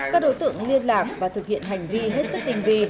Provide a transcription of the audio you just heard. các đối tượng liên lạc và thực hiện hành vi hết sức tinh vi